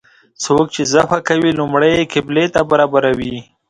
څوک چې ذبحه کوي لومړی یې قبلې ته برابروي.